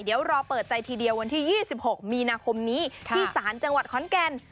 เดี๋ยวรอเปิดใจทีเดียววันที่๒๖มีนาคมนี้ที่ศาลจังหวัดขอนแก่น